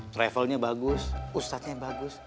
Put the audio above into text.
travelnya bagus ustadznya bagus